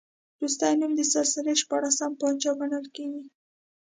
وروستی نوم د سلسلې شپاړسم پاچا ګڼل کېږي.